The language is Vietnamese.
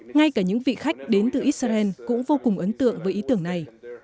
ngay cả những vị khách đến từ israel cũng vô cùng ấn tượng với ý tưởng này